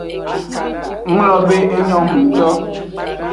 Nglobe enyo hunnuto.